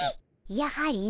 やはりの。